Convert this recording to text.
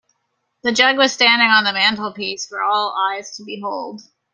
The jug was standing on the mantelpiece, for all eyes to behold.